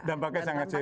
dampaknya sangat serius